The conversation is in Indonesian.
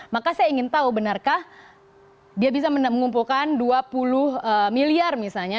maka saya ingin tahu benarkah dia bisa mengumpulkan dua puluh miliar misalnya